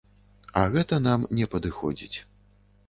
А гэта нам не падыходзіць.